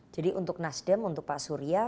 jadi untuk nasdem untuk pak surya